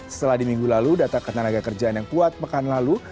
setelah di minggu lalu data ketenaga kerjaan yang kuat pekan lalu